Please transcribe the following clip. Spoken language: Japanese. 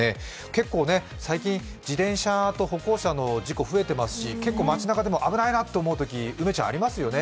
結構、最近、自転車と歩行者の事故増えてますし街なかでも危ないなって思うときありますよね。